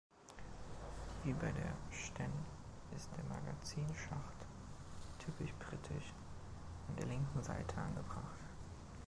Wie bei der Sten ist der Magazinschacht typisch britisch an der linken Seite angebracht.